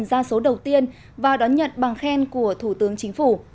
ra số đầu tiên và đón nhận bằng khen của thủ tướng chính phủ